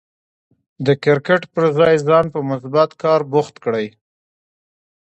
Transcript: د کرکټ پر ځای ځان په مثبت کار بوخت کړئ.